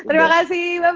terima kasih bye bye